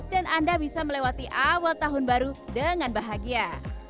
dan anda bisa melewati awal tahun baru dengan bahagia